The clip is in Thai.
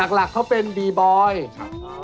หลักเขาเป็นบีบอยด์